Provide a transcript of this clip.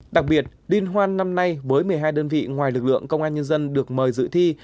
đặc biệt liên hoan năm nay với một mươi hai đơn vị ngoài lực lượng công an nhân dân được mời dự thi